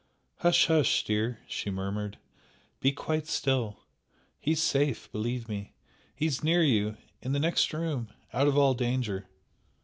"Hush, hush, dear!" she murmured "Be quite still! He is safe believe me! He is near you in the next room! out of all danger."